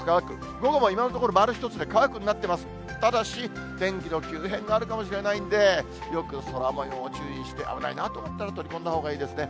午後は今のところ、丸１つで乾くになってますが、ただし、天気の急変があるかもしれないんで、よく空もよう注意して、危ないなと思ったら取り込んだほうがいいですね。